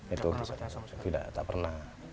itu tidak pernah